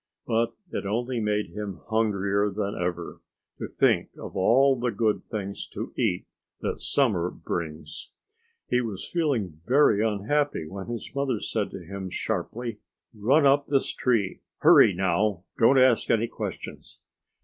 But it only made him hungrier than ever, to think of all the good things to eat that summer brings. He was feeling very unhappy when his mother said to him sharply "Run up this tree! Hurry, now! Don't ask any questions."